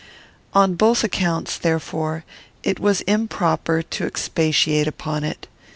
On both accounts, therefore, it was improper to expatiate upon it.